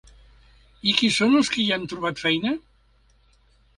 I qui són els qui han trobat feina?